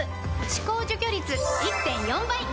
歯垢除去率 １．４ 倍！